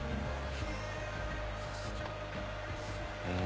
うん。